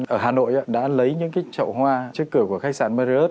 ở hà nội đã lấy những trậu hoa